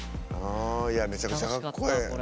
めちゃくちゃかっこええ。